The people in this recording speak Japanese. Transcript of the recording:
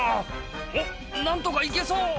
「おっ何とかいけそう」